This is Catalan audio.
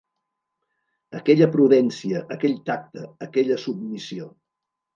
Aquella prudència, aquell tacte, aquella submissió